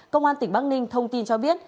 công an tỉnh bắc ninh thông tin cho biết